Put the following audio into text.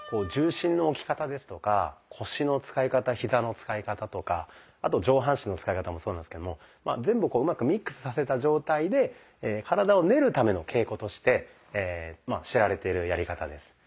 重心の置き方ですとか腰の使い方ヒザの使い方とかあと上半身の使い方もそうなんですけども全部をうまくミックスさせた状態でとして知られているやり方です。